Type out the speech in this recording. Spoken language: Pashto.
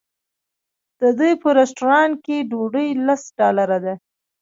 د دوی په رسټورانټ کې ډوډۍ لس ډالره ده.